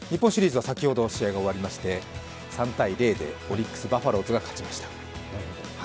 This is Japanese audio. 先ほど試合が終わりまして３−０でオリックス・バファローズが勝ちました。